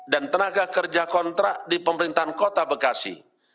dan tenaga kerja kontrak di pemerintahan kota bekasi